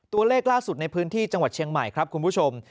ตัวเลขล่าสุดในพื้นที่จังหวัดเชียงใหม่ครับคุณผู้ชม